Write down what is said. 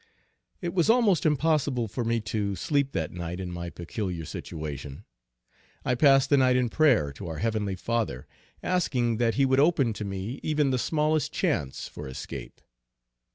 It was almost impossible for me to sleep that night in my peculiar situation. I passed the night in prayer to our Heavenly Father, asking that He would open to me even the smallest chance for escape.